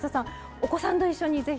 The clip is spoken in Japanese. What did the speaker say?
お子さんと一緒にぜひ。